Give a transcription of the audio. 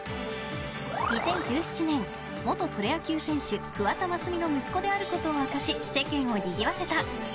２０１７年、元プロ野球選手桑田真澄の息子であることを明かし、世間をにぎわせた。